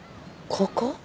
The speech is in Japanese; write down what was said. ここ？